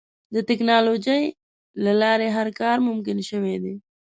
د ټکنالوجۍ له لارې هر کار ممکن شوی دی.